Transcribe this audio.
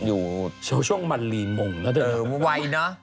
อ๋อคุณพี่ไม่ได้รู้เลยเห็นมะเออ